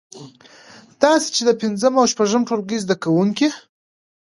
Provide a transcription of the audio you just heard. داسې چې د پنځم او شپږم ټولګي زده کوونکی